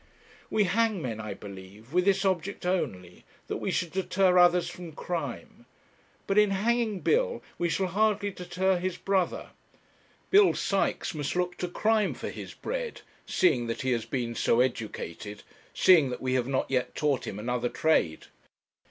We hang men, I believe, with this object only, that we should deter others from crime; but in hanging Bill we shall hardly deter his brother. Bill Sykes must look to crime for his bread, seeing that he has been so educated, seeing that we have not yet taught him another trade.